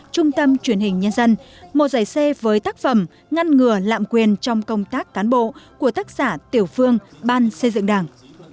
trung tâm truyền hình nhân dân một giải c với tác phẩm ngăn ngừa lạm quyền trong công tác cán bộ của tác giả tiểu phương ban xây dựng đảng